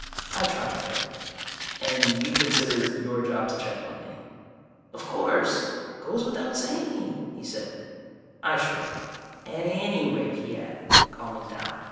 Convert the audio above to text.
I tried Fred: "And you consider it's your job to check on me?" "Of course. Goes without saying," he said. I shrugged. "At any rate," he added, calming down.